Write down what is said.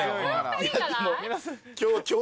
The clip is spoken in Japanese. いやでも。